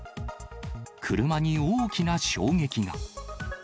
車に大きな衝撃が。